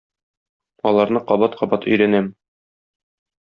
Аларны кабат-кабат өйрәнәм.